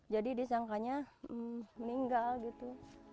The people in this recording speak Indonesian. jadi disangkanya meninggal gitu